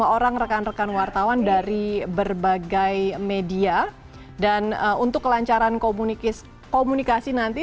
lima orang rekan rekan wartawan dari berbagai media dan untuk kelancaran komunikasi nanti